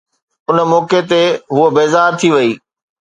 ان موقعي تي هوءَ بيزار ٿي وئي